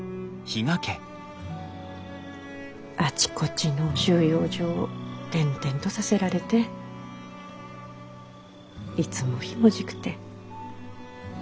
あちこちの収容所を転々とさせられていつもひもじくて。